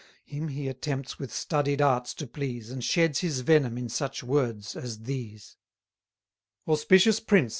Him he attempts with studied arts to please, And sheds his venom in such words as these: Auspicious prince!